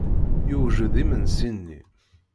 Yewjed yimensi-nni.